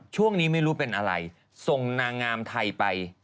ช่วงนี้ไม่รู้เป็นอะไรส่งนางงามไทยไป